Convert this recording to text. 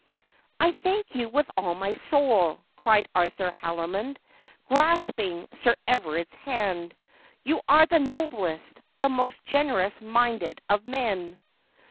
'I thank you with all my soul,' cried Arthur Haldimond, grasping Sir Everard'a hand ;' you are the noblest, the most generous minded of men.'